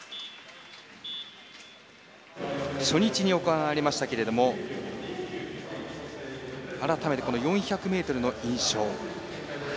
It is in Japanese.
初日に行われましたけど改めて、４００ｍの印象。